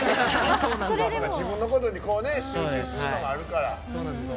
自分のことに集中するのがあるから。